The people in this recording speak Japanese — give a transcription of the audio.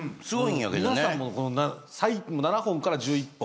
皆さんも７本から１１本。